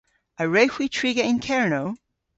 A wrewgh hwi triga yn Kernow?